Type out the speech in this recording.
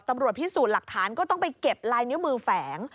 ตำรวจพิสูจน์หลักฐานก็ต้องไปเก็บลายนิ้วมือแฝง